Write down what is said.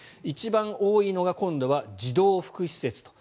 一番多いのが今度は児童福祉施設。